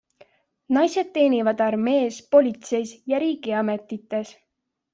Naised teenivad armees, politseis ja riigiametites.